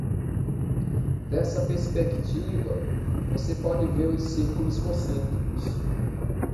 Dessa perspectiva, você pode ver os círculos concêntricos.